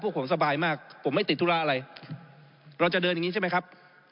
พวกผมสบายมากผมไม่ติดธุระอะไรเราจะเดินอย่างนี้ใช่ไหมครับ